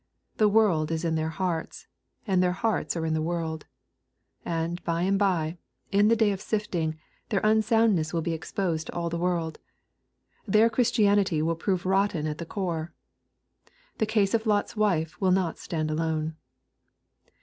The world is in their hearts, and their hearts are in the world. And by and bj ^e, in the day of sifting, their unsoundness will be exposed to all the world. Their Christianity will prove rotten at the core. The case of Lot's wife will not stand alone.